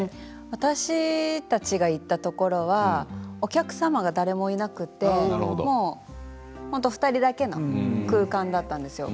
私たちが行ったところはお客様が誰もいなくて２人だけの空間だったんです。